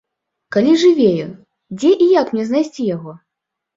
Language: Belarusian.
Калі жыве ён, дзе і як мне знайсці яго?